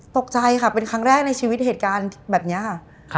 ตกใจค่ะเป็นครั้งแรกในชีวิตเหตุการณ์แบบนี้ค่ะ